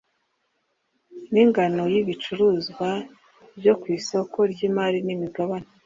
n ingano y ibicuruzwa byo ku isoko ry imari n imigabane